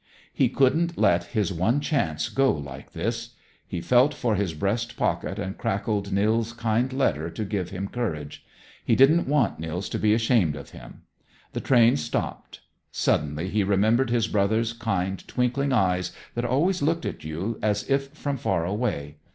He couldn't let his one chance go like this. He felt for his breast pocket and crackled Nils' kind letter to give him courage. He didn't want Nils to be ashamed of him. The train stopped. Suddenly he remembered his brother's kind, twinkling eyes, that always looked at you as if from far away.